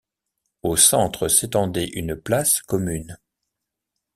Au centre s’étendait une place commune.